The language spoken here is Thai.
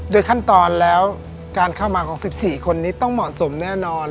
ขั้นตอนแล้วการเข้ามาของ๑๔คนนี้ต้องเหมาะสมแน่นอน